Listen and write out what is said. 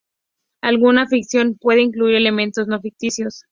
Alguna ficción puede incluir elementos no ficticios.